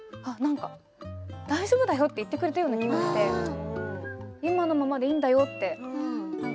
大丈夫だよって言ってくれたような気がして今のままでいいんだよ。